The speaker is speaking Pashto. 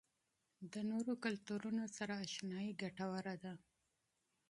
د نورو کلتورونو سره آشنايي ګټوره ده.